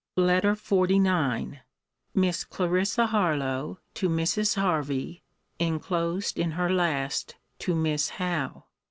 LETTER XLIX MISS CLARISSA HARLOWE, TO MRS. HERVEY [ENCLOSED IN HER LAST TO MISS HOWE.